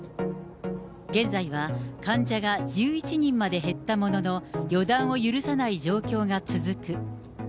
現在は患者が１１人まで減ったものの、予断を許さない状況が続く。